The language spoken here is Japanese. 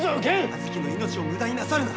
阿月の命を無駄になさるな。